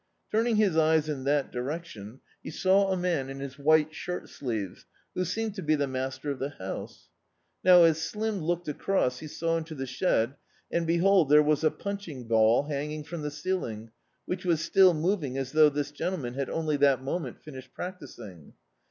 Turning his eyes in that direction he saw a man in his white shirt sleeves, who seemed to be the master of the house. Now, as Slim looked [iJ4l D,i.,.db, Google The Camp across, he saw into the shed, and behold there was a punching ball hanging from the ceiling, which was still moving as though this gentleman had oa\y that moment finished practising.